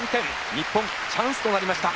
日本チャンスとなりました。